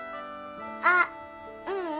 あっううん。